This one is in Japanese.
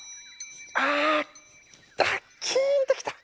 あっキーンときた！